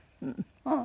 うん。